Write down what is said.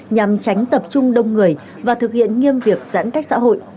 nhằm tránh tập trung đông người và thực hiện nghiêm việc giãn cách xã hội